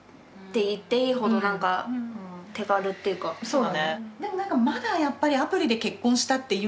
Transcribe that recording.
そうだね。